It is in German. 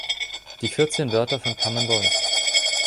Die vierzehn Wörter von Common Voice.